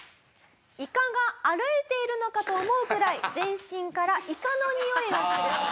いかが歩いているのかと思うくらい全身からいかのにおいがする。